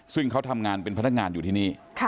ซึ่งเขาทำงานเป็นพนักงานอยู่ที่นี่